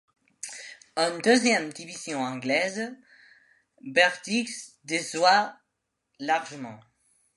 En deuxième division anglaise, Bergdich déçoit largement.